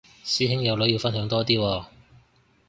師兄有女要分享多啲喎